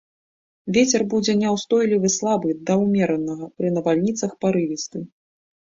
Вецер будзе няўстойлівы слабы да ўмеранага, пры навальніцах парывісты.